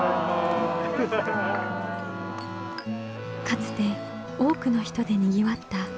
かつて多くの人でにぎわった石見銀山の町。